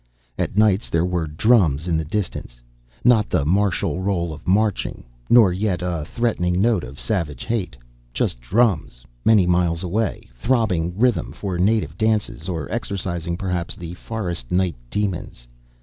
At nights there were drums in the distance. Not the martial roll of marching, nor yet a threatening note of savage hate. Just drums, many miles away, throbbing rhythm for native dances or exorcising, perhaps, the forest night demons.